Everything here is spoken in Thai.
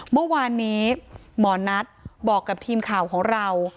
เมื่อวานนี้หมอนัทบอกกับทีมข่าวของเรา